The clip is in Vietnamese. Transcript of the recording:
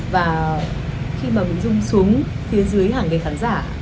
và khi mà mỹ dung xuống phía dưới hàng nghìn khán giả